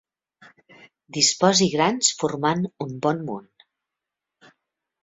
Disposi grans formant un bon munt.